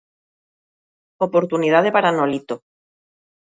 Oportunidade para Nolito.